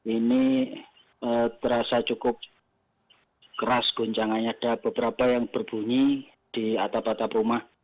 ini terasa cukup keras guncangannya ada beberapa yang berbunyi di atap atap rumah